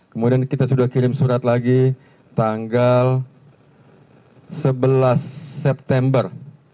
kemudian kita sudah kirim surat lagi tanggal sebelas september